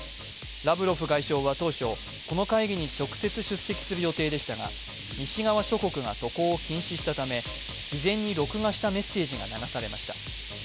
ラブロフ外相は当初、この会議に直接出席する予定でしたが西側諸国が渡航を禁止したため、事前に録画したメッセージが流されました。